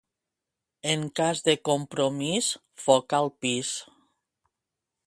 En cas de compromís, foc al pis.